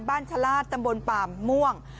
บ้านชะลาดตำบลปามม่วง